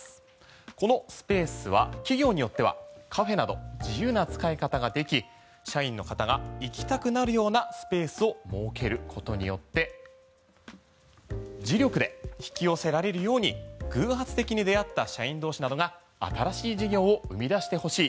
このスペースは企業によってはカフェなど自由な使い方ができ社員の方が行きたくなるようなスペースを設けることによって磁力で引き寄せられるように偶発的に出会った社員同士などが新しい事業を生み出してほしい。